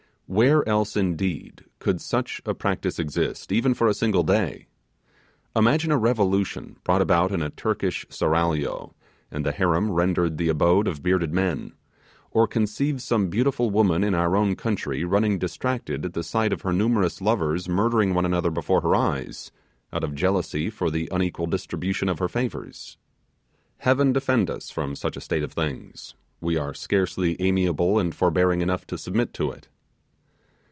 Where else, indeed, could such a practice exist, even for a single day? Imagine a revolution brought about in a Turkish seraglio, and the harem rendered the abode of bearded men; or conceive some beautiful woman in our own country running distracted at the sight of her numerous lovers murdering one another before her eyes, out of jealousy for the unequal distribution of her favours! Heaven defend us from such a state of things! We are scarcely amiable and forbearing enough to submit to it.